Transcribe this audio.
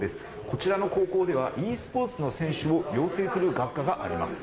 こちらの高校ではｅスポーツの選手を養成する学科があります。